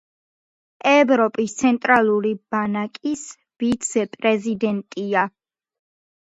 ევროპის ცენტრალური ბანკის ვიცე-პრეზიდენტია.